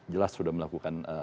jelas sudah melakukan